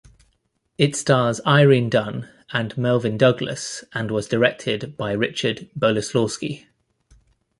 It stars Irene Dunne and Melvyn Douglas and was directed by Richard Boleslawski.